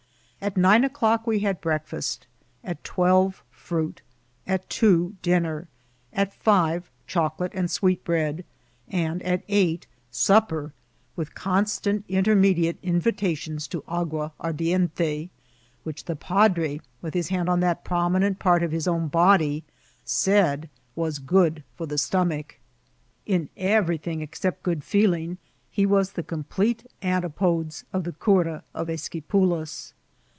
At nine o'clock we had breakfast; at twelve, fruit; at two, dinner; at five, chocolate and sweet bread ; and at eight, supper, with constant inter* mediate invitations to agua ardiente, which the padre, with his hand on that prominent part of his own body, said was good for the stomach. In everything except good feeling he was the complete antipodes of the cura of Esquipulas.